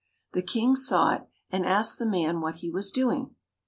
The King saw it and asked the man what he was doing.